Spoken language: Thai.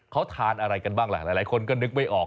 เขาทานอะไรกันบ้างล่ะหลายคนก็นึกไม่ออก